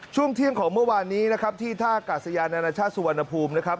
ช่วงเที่ยงของเมื่อวานนี้นะครับที่ท่ากาศยานานาชาติสุวรรณภูมินะครับ